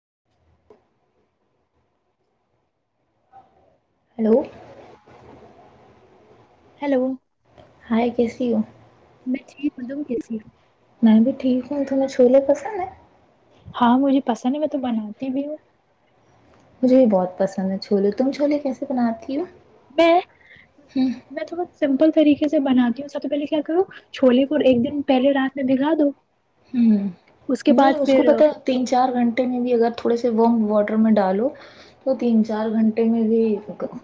[inaudible] hello [inaudible] hi کیسی ہو میں چی ملب کیسی [unintelligible] میں بھی ٹھیک ہوں تمہیں چھوولے پسند ہیں ہاں مجھے پسند ہے میں تو بناتی بھی ہوں مجھے بھی بہت پسند ہے چھولے تم چھولے کیسے بناتی ہو میں ہوں میں تھڑ سمپل طریقے سے بنات ہوں سب سے پہے کیا کرو چھولے کو ایک دن پہلے رات میں بھگا دو ہ اس کے نہیں بعد اس کو پھر پتا تین چار گھنٹے گے میں بھی اگر تھوڑے سے وم واٹر میں ڈالو تو تین چار گھنٹے میں بھی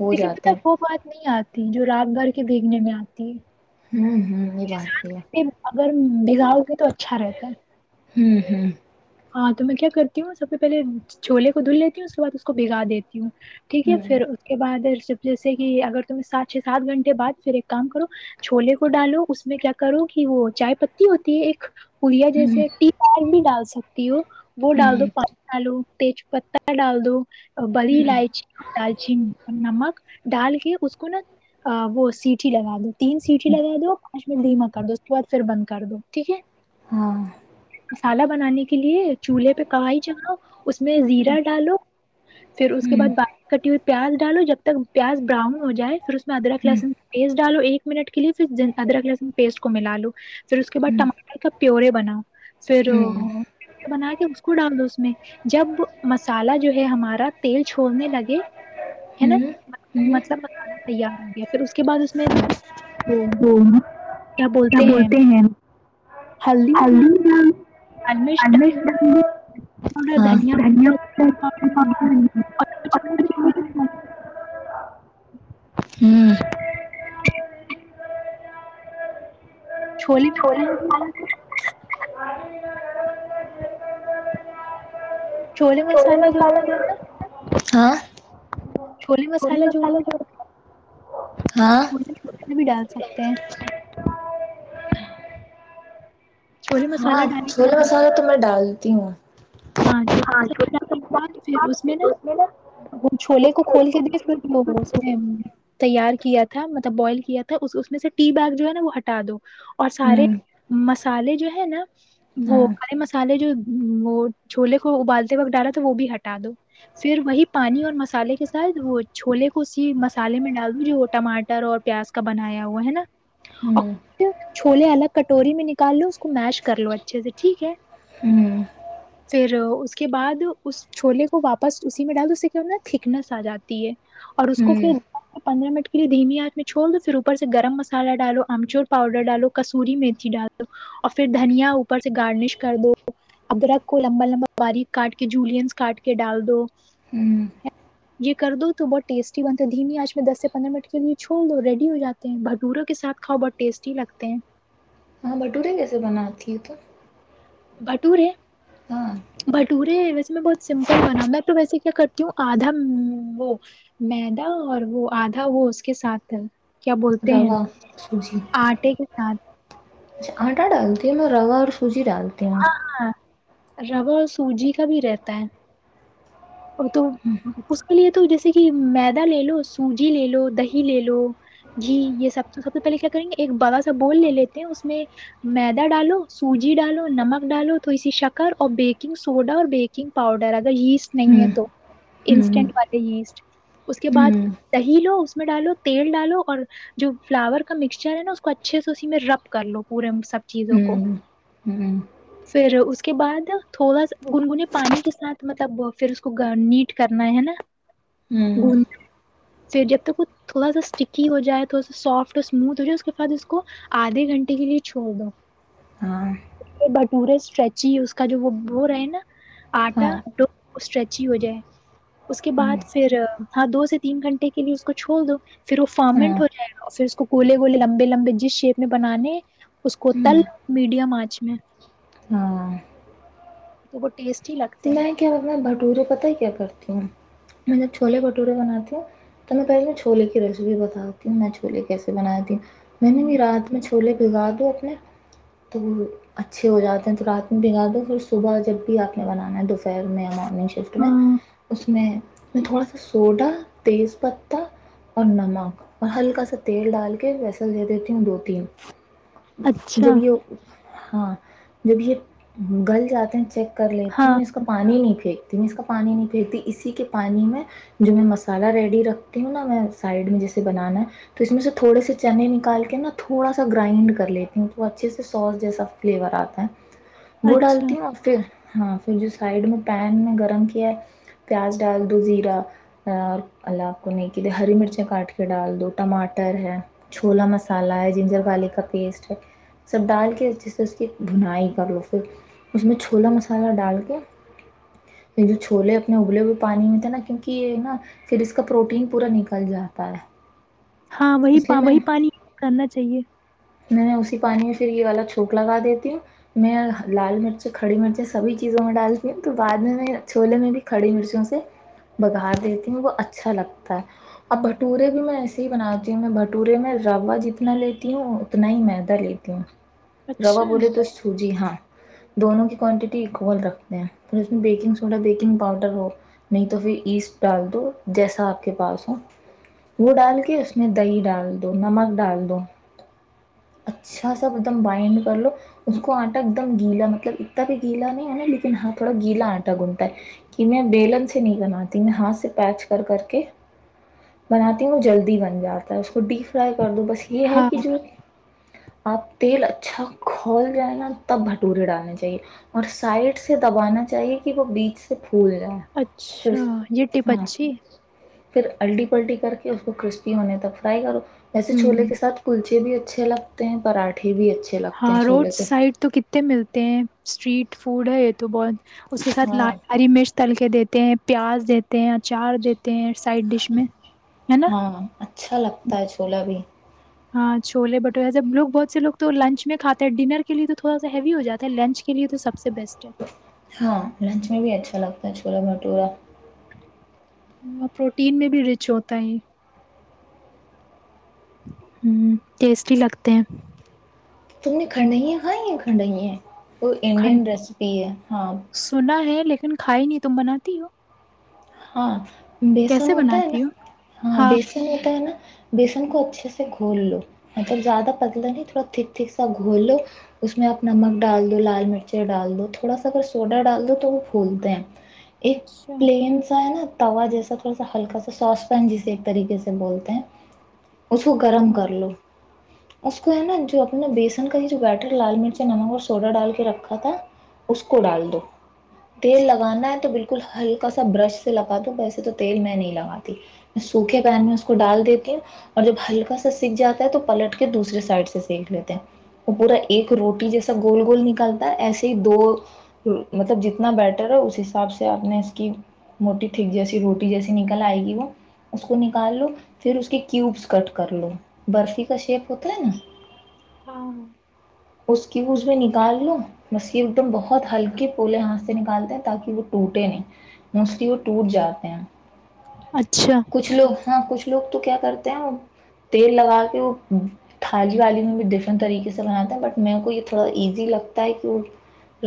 ہو لیکن جاتے پت وہ ہیں بات نہیں آتی جو رات بھر کے بھیگنے میں آتی ہے ہوں ہوں یہ بات یہی ہے ہ بگاؤ کے تو اچھا رہتا ہے ہوں ہوں [unintelligible] ہاں تو میں کیا کرتی ہوں سب پہے چھولے کو دھل لیتی ہوں اس کے بعد اس کو بگا دیتی ہوں ٹھیک ہے پھر اس کے بعد جب جیسے کہ اگر تم سات سے سات گھنٹے بد پھر ایک کام کرو چھوولے کو ڈالو اس میں کیا کرو کہ وہ چائے پتی ہوتی ہے ایک پڑیا ہوں ہوں جیسے ٹیار بھی ڈال سک تیو [inaudible] وہ ڈال ہوں دو پاؤچ آلو [unintelligible] تےج پتتا ڈال دو بریی ہوں الائچی دالچیین نمک ڈال کے اس کو نا وہ سیٹیھی لگا دو تین سیٹییں لگا دو کش میں د دیمک کر دو اس بعد پھر بند کر دو ٹھیک ہے ہاں مسالہ بنانے کی کے لیے چولہے پہ کڑھائی چھڈاو اس میں زیرہ ڈالو پھر اس کے ہوں بعد باکی کٹی ہوئی پیاز ڈالو جب تک پیاز براؤن ہو جائے فر اس میں ادرک ہوں لسن پیسٹ ڈالو ایک منٹ کے لیے پھر ادرک لہسن پیسٹ کو ملا لو پھر اس کے بعد ہوں ٹماٹر کا پیورے بناو پھر ہوں بنا کے اس کو ڈال دو اس میں جب مسالہ جو ہے ہمارا تیل چھوڑنے لگے ہینا ہوں مطلب مسالہ تیار ہو گیا پھر اس کے بعد م [unintelligible] تو ہوں وہ کیا بولتے ہیں ہلدی میں لال مرچ ڈال پاؤڈر ہاں دھنیا دنھیا پاؤڈر کو زیرہ پاؤڈر نمک اور اگر چاہو تو چھولے [unintelligible] ہمم چھولے چھولی مسالہ بھی [unintelligible] چولے [unintelligible] چھولے کالا جو مسالہ [unintelligible] ہاں چھولے مسالے جو ہوتا ہے ا [unintelligible] چھو لے پھر بھی ڈال سکتے ہیں چھولے ہاں مسالہ ڈالیں چھولے گے مسالے تو میں ڈالتی ہوں ہاں چھوٹا س پھر اس میں نا وہ چھوولے مطلب کو چھولے کھول کے دے پھر وہ اس تیار کیا تھا مطلب بوائل کیا تھا اس میں سے ٹی بیگ جو ہینا وہ ہٹا دو اور سارے ہوں مسالے جو ہینا وہ ہاں کھڈے مسالے جو وہ چھوولے کو ابالتے وقت ڈالا تو وہ بھی ہٹا دو پھر وہی پانی اور مسالے کے ساتھ وہ چھولے کو اسی مسالے میں ڈال دووں جو ٹماٹر اور پیاز کا بنایا ہوا ہینا اور ہوں کچھ چھولے الگ کٹوری میں نکال لو اس کو میش کر لو اچھے سے ٹھیک ہے ہوں پھر اس کے بعد اس چھولے کو واپس اسی میں ڈال دو اس سے کیا ہوتا ہے تھکنس آ جاتی ہے اور اس کو ہوں پھر پندرہ منٹ کے لیے دھیمی ہاتھ میں چھوڈ دو پھر اوپر سے گرم مسالہ ڈالو امچور پاؤڈر ڈالو کسوری مرچی ڈال دو اور پھر دھنیا اوپر سے گارنش کر دو ادرک کو لمبا لمبا باری کاٹ کے جولینز کاٹ کے ڈال دو ہمم یہ کر دو تو بہت ٹیسٹی بنتا ہے دھیمی آج میں دس سے پندرہ منٹ کے لیے چھوڑ دو ریڈی ہو جاتے ہیں بھٹورا کے ساتھ کھاؤ بہت ٹیسٹی لگتے ہیں ہاں بھٹورے کیسے بناتی ہے تو بھٹورے ہاں کٹورے ویسے میں بہت سمپل بنا میں تو ویسے کیا کرتی ہوں آدھا وہ میدا اور وہ آدھا وہ اس کے ساتھ کیا بولتے ہیں روا آٹے کے ساتھ چا آٹا ڈالتی ہے میں روا اور س چی ڈالتے ہیں ہاں [unintelligible] روا اور سوجی کا بھی رہتا ہے اور تو اس کے لیے تو جیسے کہ میدا لے لو سوجی لے لو دہی لے لو گھی یہ سب سب سے پہلے کیا کریں گے ایک بڑا سا بول لے لیتے ہیں اس میں میدا ڈالو سوجی ڈالو نمک ڈالو تھوڑی سی شکر اور بیکنگ سوڈا اور بیکنگ پاؤڈر اگر یہ نہیں ہے تو انسٹینٹ والے یسٹ اس کے بعد دہی لو اس میں ڈالو تیل ڈالو اور جو فلاور کا مکسچر ہے نا اس کو اچھے سے اسی میں رب کر لو پورے سب چیزوں کو پھر اس کے بعد تھوڑا سا گنگنے پانی کے ساتھ مطلب پھر اس کو نیٹ کرنا ہے نا [unintelligible] ہوں [unintelligible] گون پھر جب تک وہ تھوڑا سا اسٹکی ہو جائے تھوڑا سا سافٹ اور اسموتھ ہو جائے اس کے بعد اس کو آدھے گھنٹے کے لیے چھوڑ دو ہاں بٹورے اسٹریچی اس کا جو وہ ب رہے ہے نا آٹا ہاں اسٹریچی ہو جائے اس کے ہوں بعد پھر ہاں دو سے تین گھنٹے کے لیے اس کو چھوڑ دو پھر وہ ہاں فارمنٹ ہو جائے اور پھر اس کو گولے گول لمبے لمبے جس شیپ میں بنانے اس کو تل ہوں میڈیم آنچ میں [unintelligible] ہاں [unintelligible] تو ب [unintelligible] میں کیا میں بھٹورے پتہ کیا کرتی ہوں میں جب چھولے بھورے بناتی ہوں تو میں پہلے چھولے کی ریسیپی بتاتی ہوں میں چھولے کیسے بناتی ہوں میں نے بھی رات میں چ چھولہے بھگا دو اپنے تو اچھے ہو جاتے ہیں تو رات میں بھگا دو پھر صبح جب بھی آ نہیں بنان ہے ڈفر نگو نگ شفٹ میں ہاں اس میں [unintelligible] میں تھوڑا سا سوڈا تیز پتتا اور نمک اور ہلکا سا تیل ڈال کے ویسن دے دیتی ہوں دودھ ہ اچھا جب یہ [unintelligible] ہاں جب یہ گل جاتے ہیں چیک کر لیتی ہوں ہاں میں اس کا پانی نہیں پھر میں اس کا پانی نہیں پھینکتی اسی کے پانی میں جو میں مسالہ ریڈی رکھتی ہوں نا میں سائڈ میں جیسے بنانا ہے تو اس میں سے تھوڑے سے چنے نکال کے نا تھوڑا سا گرائنڈ کر لیتی ہوں تو وہ اچھے سے سوس جیسا فلیور آتا ہے وہ اچھا ڈالتی ہوں اور پھر ہاں سائڈ میں پین میں گرم کیا ہے پیاز ڈال دو زیرا اللہ آپ کو نہیںے ہری مرچیں کاٹ کے ڈال دو ٹماٹر ہے چھولا مسالا ہے جنجر والے کا پیسٹ ہے سب ڈال کے جس سے اس کی بنائی کر لو پھر اس میں چھولا مسالہ مسالہ ڈال کے پھر جو چھولے اپنے ابلے ہوئے پانی میں تھے نا کیونک یہ نا پھر اس کا پروٹین پورا نکل جاتا ہے ہاں وہی اس لیے وہی میں پانی کرنا چاہیے میں اسی پانی میں پھر یہ والا چوک لگا دیتی ہوں میں لال مرچ کھڑی مرچیں سبھی چیزوں میں ڈالتی ہوں تو بعد میں میں چھوولے میں بھی کھڑی مرچوں سے بگار دیتی ہوں وہ اچھا اچھا لگتا ہے اور بھٹورے بھی میں ایسے ہی بناتی ہوں میں بھٹورے میں روا جتنا لیتی ہوں اتنا ہی مدہ لیتی ہوں روا اچھا بولے تو سو جی ہاں دونوں کی کوانٹیٹی اکول رکھتے ہیں پھر اس میں بیکنگ سوڈا بیکنگ پاؤڈر ہو نہیں تو پھر ایسٹ ڈال دو جیسا آپ کے پاس ہو وہ ڈال کے اس میں دہی ڈال دو نمک ڈال دو اچھا سا ایک دم بائنڈ کر لو اس کو آٹا ایک دم گیلا مطلب اتنا بھی گیلا نہیں ہے نا لیکن ہاں تھوڑا گیلا آٹا گھنتا ہے کہ میں بیلن سے نہیں بناتی میں ہاتھ سے پیچ کر کر کے بناتی ہوں جلدی بن جاتی اس کو ڈیپ فرائی کر دو بس یہ ہے ہاں کہ جو آپ تیل اچھا کھول جائے نا تب بھٹورے ڈالنے چاہیے اور سائڈ سے دبانا چاہیے کہ وہ بیچ سے پھول جائے پھر اچھا یہ ٹپ ہاں اچھی پھر الٹی پلٹی کر کے اس کو کرسپی ہونے تک فرائی کرو ویسے چھولے ہوں کے ساتھ کلچی کہ بھی اچھے لگتے ہیں پراٹھے بھی اچھے لگتے ہیں ہاں چھولے روڈ کے ساتھ سائڈ تو کتنے ملتے ہیں اسٹریٹ فوڈ ہےت بہت اس کے سھ ل ہاں ہاری مرچ تل کے دیتے دیتے ہیں پیاز دیتے ہیں اچار دیتے ہیں سائڈ ڈش میں ہے نا ہاں اچھا لگتا ہے چھولا بھی ہاں چھول بھٹورے سب لوگ بہت سے لوگ تو لنچ میں کھاتے ہیں ڈنر کے لیے تو تھوڑا سا ہیوی ہو جاتا ہے لنچ کے لیے تو سب سے بیسٹ ہے ہاں لنچ میں بھی اچھا لگتا رچ گلا بھٹورا وہ پروٹین میں بھی رچ ہوتا ہے ہ ٹیسٹی لگتے ہیں تم نے کھنڈیاں کھائی ہیں کھنڈیا وہ کھن انڈین ریسپی ہے ہاں سنا ہے لیکن کھائی نہیں تم بناتی ہو ہاں بیسن کیسے ہوتا ہے نا بناتی ہو ہاں بیسن ہوتا ہے نا بیسن کو اچھے سے گھول لو مطلب زیادہ پتلا نہیں تھوڑا تھک تھھک سا گھول لو اس میں آپ نمک ڈال دو لال مرچ ڈال دو تھوڑا سا اگر سوڈا ڈال دو تو وہ پھولتے ہیں ایک اچھا پلین توا جیسا تھوڑا سا ہلکا سا ساس پین جسے ایک طریقے سے بولتے ہیں اس کو گرم ہمم کر لو اس کو ہے نا جو اپنا بیسن کا ہی جو بیٹر لال مرچ نمک اور سوڈا ڈال کے رکھا تھا اس کو ڈال دو تیل اچھا لگانا ہے تو بالکل بالکل ہلکا برش وسے تو تیل میں نہیں لگاتی سوکھے پین میں اس کو ڈال دیتی ہوں اور جب ہلکا سا سکھ جاتا ہے تو پلٹ کے دوسرے سائڈ سے سیکھ لیتے ہیں وہ پورا ایک روٹی جیسا گول گول نکالتا ہے ایسے ہی دو مطلب جتنا بیٹر ہے اس حساب سے آپ نے اس موٹی تھیک جیسی روٹی جیسی نکل آئے گی وہ اس کو نکال لو پھر اس کے کیوبس کٹ کر لو برفی کا شیپ ہوتا ہے نا ہاں اس کی اس میں نکال لو مس ایک دم بہت ہلکے پولے ہاتھ سے نکالتے ہیں تاکہ وہ ٹوٹے نہیں موسٹلی وہ ٹوٹ جاتے ہیں اچھا کچھ لوگ ہاں کچھ لوگ تو کیا کرتے ہیں تیل لگا کے وہ تھالی والی میں بھی ڈفرنٹ طریقے سے بناتا ہے بٹ میرے کو یہ تھوڑا ایزی لگتا ہے کہ وہ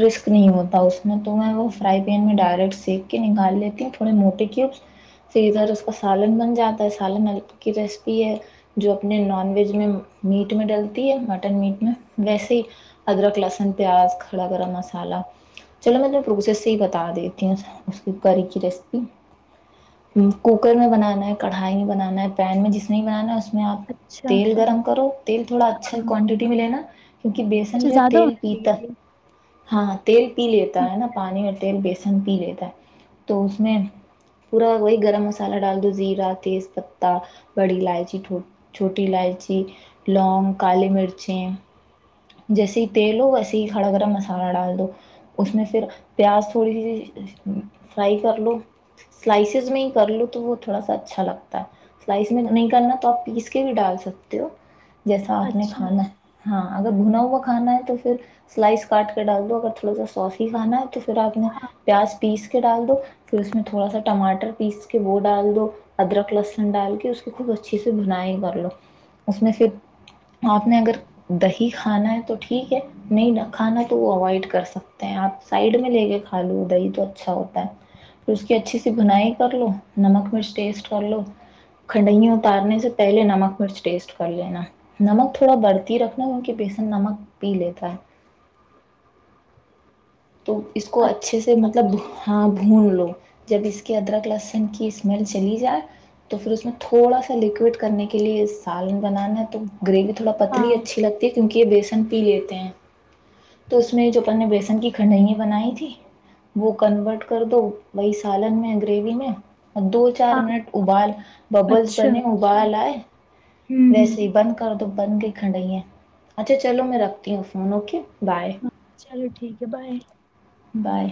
رسک نہیں ہوتا اس میں تو میں وہ فرائی پین میں ڈائریکٹ سک کے نکال لیتی ہوں تھوڑے موٹے کیوب پھر ادھر اس کا سالن بن جاتا ہے سالن کی ریسپی ہے جو اپنے نان ویج میں میٹ میں ڈلتی ہے مٹن میٹ میں ویسے ہی ادرک لہسن پیاز کھڑا گرم مسالحہ چلو میں ت پرو سے ہی بتا دیتی ہوں اس کی گی کی ریسپی کوکر میں بنانا ہے کڑھائی میں بنانا ہے پین میں جس میں بنانا ہے اس میں اس میں آپ اچھا تیل گرم کرو تیل تھوڑا اچھا ہاں کوانٹٹی میں لینا کیونکہ بیسن اچھا جو زیادہ تیل ہونا چاہیے پیتا تیل ہاں تیل پی لیتا ہے نا پانی اور تیل بیس لسن پی لیتا ہے تو اس میں پورا وہی گرم مسالہ ڈال دو زیرا تیز پتا بڑی الائچی چھوٹی الائچی لونگ کالی مرچیں جیسے ہی تیل ہو ویسے ہی کڑا گرم مسالہ ڈال دو اس میں پھر پیاز تھوڑی سی فرائی کر لو سلائسیز میں ہی کر لو تو وہ تھوڑا سا اچھا لگتا ہے سلائس میں نہیں کرنا تو آپ پیس کے بھی ڈال سکتے ہو جیسا آپ نے اچھا کھانا ہے ہاں [inaudible] اگر بنا ہوا کھانا ہے تو پھر سلائس کاٹ کے ڈال دو اگر تھوڑا سا سوس ہی کھانا ہے تو رکھنے پیاز پیس ڈال دو پھر اس میں تھوڑا سا ٹماٹر پیس کے وہ ڈال دو ادرک لسن ڈال کے اس خب اچھے سے بنائی کر لو اس میں پھر آپ نے اگر دہی کھانا ہے تو ٹھیک ہے نہیں کھانا تو وہ اوائڈ کر سکتے ہیں آپ سائڈ میں لے کے کھا لو ادھر ہی تو اچھا ہوتا ہے پھر اس کی اچھی سی بنائی کر لو نمک مرچ ٹیسٹ کر لو کھڈائیاں اتارنے سے پہلے نمک مرچ ٹیسٹ کر لینا نمک تھوڑا بڑھتی رکھ ان کے بیسن نمک پی لیتا ہے - تو اس کو اچھا اچھے سے مطلب ہاں بھون لو جب اس کی ادرک لہسن کی اسمیل چلی جائے تو پھر اس میں تھوڑا سا لکوڈ کرنے کے لیے سالن بنانا ہے تو گریوی تھوڑا پتلی ہاں اچھی لگتی ہے کیونکہ یہ بی پی لیتے ہیں تو اس میں جو اپنے بیسن کی خندائیے بنائی تھی وہ کنورٹ کر دو وہی سالن میں گریوی میں دو چار ہاں منٹ اوبال ببلس اچھا بنے اوبال آئے ہمم ویسے ہی بند کر دو تو بن گئی کھڑھائینے اچھا چلو میں رکھتی ہوں فون اوکے بئے ہمم چلو ٹھیک ہے بائے بائے